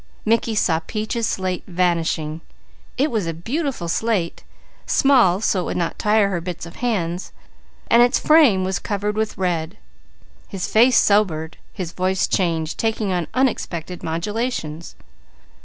Mickey saw Peaches' slate vanishing. It was a beautiful slate, small so it would not tire her bits of hands, and its frame was covered with red. His face sobered, his voice changed, taking on unexpected modulations.